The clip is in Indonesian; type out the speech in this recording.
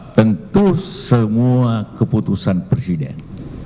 tentu semua keputusan presiden